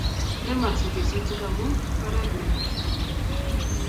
ngemaksei kesutik amu oret neya